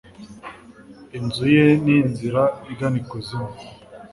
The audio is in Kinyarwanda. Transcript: Inzu ye ni inzira igana ikuzimu